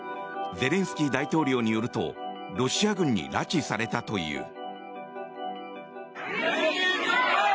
ゼレンスキー大統領によるとロシア軍に拉致されたという。